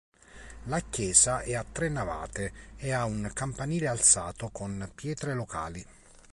La chiesa è a tre navate e ha un campanile alzato con pietre locali.